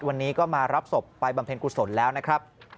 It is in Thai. วันนี้ก็มารับศพไปบำเพ็ญกุศลแล้วนะครับ